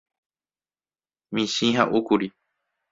Michĩ ha'úkuri.